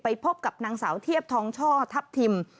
พบกับนางสาวเทียบทองช่อทัพทิม